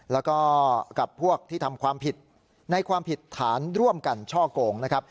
แล้วก็กับพวกที่ทำความผิดในความผิดฐานร่วมกันช่อโกงนะครับ